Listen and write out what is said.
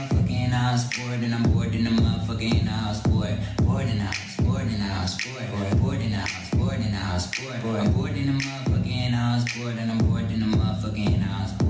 เป็นยังไงคน